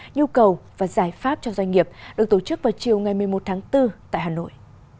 nhu cầu và giải pháp cho doanh nghiệp được tổ chức vào chiều ngày một mươi một tháng bốn tại hà nội